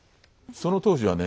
その当時はね